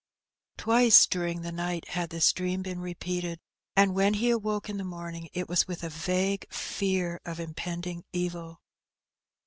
Twice during the night had this dream been repeated, and when he awoke in the morning it was with a vague fear of impending evil.